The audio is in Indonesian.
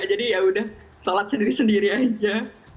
jadi yaudah sholat sendiri sendiri aja